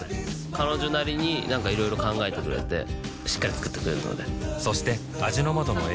彼女なりになんかいろいろ考えてくれてしっかり作ってくれるのでそして味の素の栄養プログラム